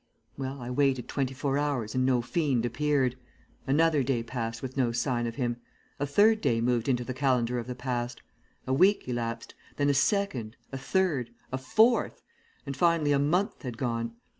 "Well, I waited twenty four hours and no fiend appeared. Another day passed with no sign of him. A third day moved into the calendar of the past; a week elapsed, then a second, a third, a fourth, and finally a month had gone.